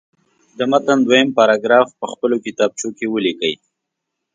د متن دویم پاراګراف په خپلو کتابچو کې ولیکئ.